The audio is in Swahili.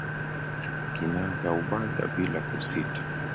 Kinaga ubaga bila kusita.